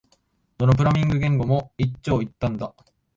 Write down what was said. どのプログラミング言語も一長一短だ